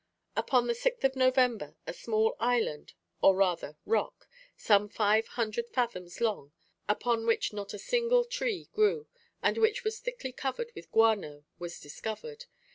Upon the 6th of November a small island, or rather rock, some five hundred fathoms long, upon which not a single tree grew, and which was thickly covered with guano, was discovered.